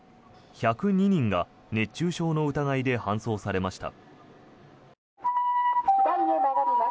１０２人が熱中症の疑いで搬送されました。